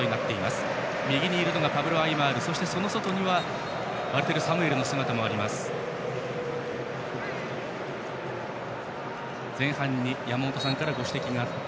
今、右にいたのがパブロ・アイマールそして、その隣にワルテル・サムエルの姿もありました。